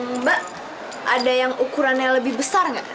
mbak ada yang ukurannya lebih besar nggak